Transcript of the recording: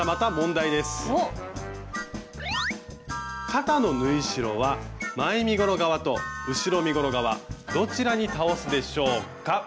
肩の縫い代は前身ごろ側と後ろ身ごろ側どちらに倒すでしょうか？